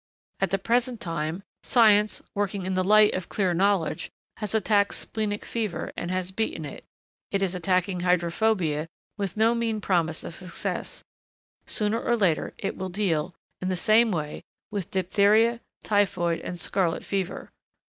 At the present time, science, working in the light of clear knowledge, has attacked splenic fever and has beaten it; it is attacking hydrophobia with no mean promise of success; sooner or later it will deal, in the same way, with diphtheria, typhoid and scarlet fever.